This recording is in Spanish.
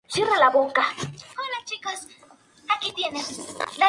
Este cartílago presenta una superficie libre, lisa y pulida.